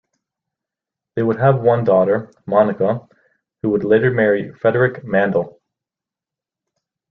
They would have one daughter, Monika, who would later marry Friedrich Mandl.